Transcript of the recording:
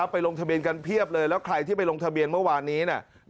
ลงทะเบียนกันเพียบเลยแล้วใครที่ไปลงทะเบียนเมื่อวานนี้